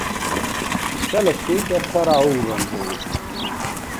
Felesége Sara Owen volt.